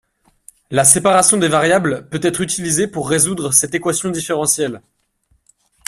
La séparation des variables peut être utilisée pour résoudre cette équation différentielle.